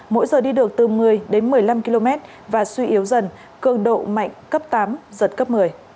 mỗi giờ đi được từ một mươi đến một mươi năm km và suy yếu dần cường độ mạnh cấp tám giật cấp một mươi